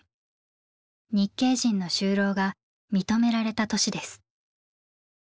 日系人の就労が認められた年です。